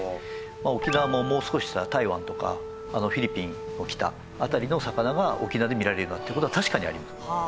沖縄ももう少ししたら台湾とかフィリピンの北辺りの魚が沖縄で見られるなんていう事は確かにあります。